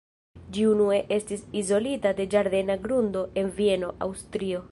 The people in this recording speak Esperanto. Ĝi unue estis izolita de ĝardena grundo en Vieno, Aŭstrio.